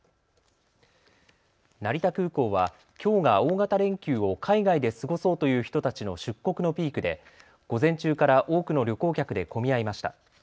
成田空港はきょうが大型連休を海外で過ごそうという人たちの出国のピークで午前中から多くの旅行客で混み合いました。